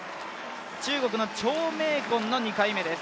中国の張溟鯤の２回目です。